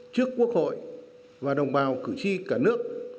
trước quốc hội và đồng bào cử tri cả nước